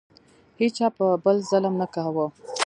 هیچا په بل ظلم نه کاوه.